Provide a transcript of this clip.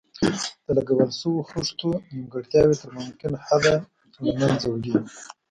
د لګول شویو خښتو نیمګړتیاوې تر ممکن حده له منځه وړي.